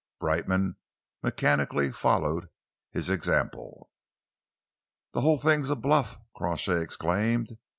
Brightman mechanically followed his example. "The whole thing's a bluff!" Crawshay exclaimed.